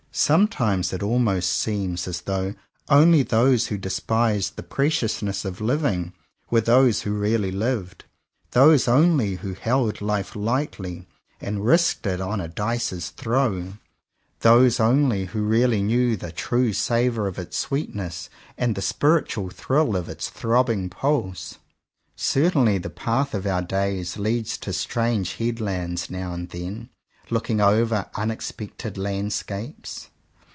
Sometimes it almost seems as though only those who despised the preciousness of living, were those who really lived; — those only who held life lightly and risked it on the dice's throw; those 173 CONFESSIONS OF TWO BROTHERS only who really knew the true savour of its sweetness, and the spiritual thrill of its throbbing pulse. Certainly the path of our days leads to strange headlands now and then, looking over unexpected landscapes.